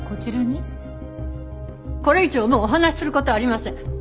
これ以上もうお話しする事はありません。